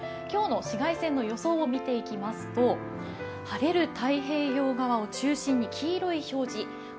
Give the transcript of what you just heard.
今日の紫外線の予想を見ていきますと、晴れる太平洋側を中心に黄色い表示。